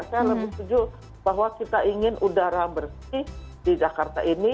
saya lebih setuju bahwa kita ingin udara bersih di jakarta ini